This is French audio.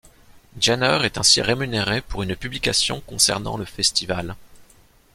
Jenner est ainsi rémunérée pour une publication concernant le festival.